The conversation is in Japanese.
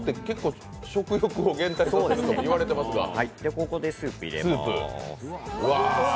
ここでスープを入れます。